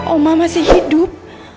oma masih hidup